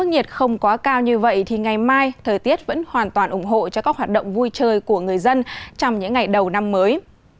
nhiệt không quá cao như vậy thì ngày mai thời tiết vẫn hoàn toàn ủng hộ cho các hoạt động vui chơi của người dân trong những ngày đầu năm mới